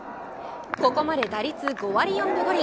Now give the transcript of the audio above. ここまで打率５割４分５厘。